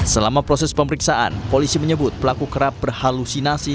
selama proses pemeriksaan polisi menyebut pelaku kerap berhalusinasi